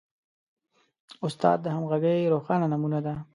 استاد د همغږۍ روښانه نمونه ده.